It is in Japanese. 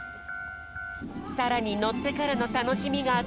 さらにのってからのたのしみがこれ。